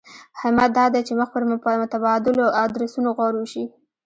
همت دا دی چې مخ پر متبادلو ادرسونو غور وشي.